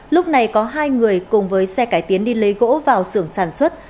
lúc này có hai người cùng với xe cải tiến đi lấy gỗ vào sưởng sản xuất